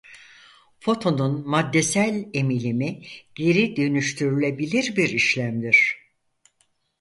Fotonun maddesel emilimi geri dönüştürülebilir bir işlemdir.